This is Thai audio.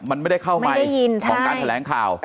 มันไม่ได้เข้าไปของการแถลงข่าว